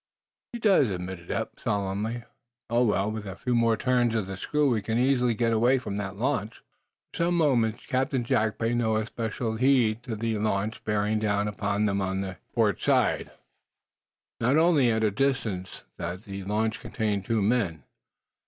"She does," admitted Eph, solemnly. "Oh, well, with a few more turns of the screw we can easily get away from that launch." For some moments Captain Jack paid no especial heed to the launch bearing down upon them on the port side. He noted only, at the distance, that the launch contained two men.